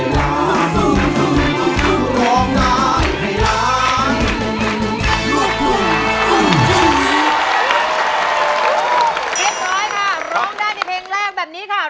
เรียบร้อยค่ะร้องได้ในเพลงแรกแบบนี้ค่ะ